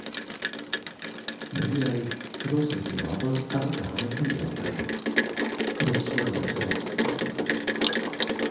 無理やりフィロソフィーを後ではめ込んじゃうから歴史まで間違えて伝えちゃうから。